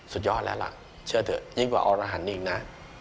สุดยอดแล้วล่ะเชื่อเถอะยิ่งกว่าอรหันต์อีกนะ